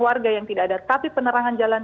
warga yang tidak ada tapi penerangan jalan